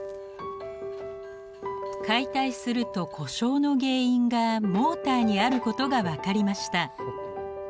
解体すると故障の原因がモーターにあることが分かりました。